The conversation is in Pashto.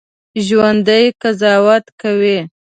ژوندي قضاوت کوي